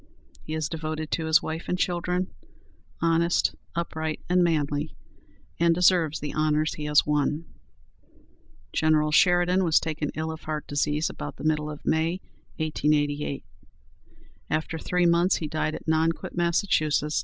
He is devoted to his wife and children, honest, upright, and manly, and deserves the honors he has won. General Sheridan was taken ill of heart disease about the middle of May, 1888. After three months, he died at Nonquitt, Mass.